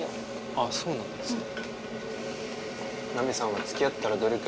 あっそうなんですか。